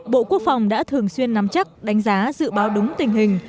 bộ quốc phòng đã thường xuyên nắm chắc đánh giá dự báo đúng tình hình